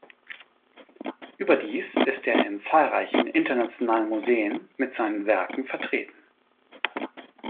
Überdies ist er in zahlreichen internationalen Museen mit seinen Werken vertreten.